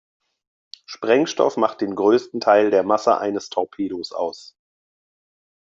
Sprengstoff macht den größten Teil der Masse eines Torpedos aus.